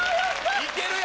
いけるよ！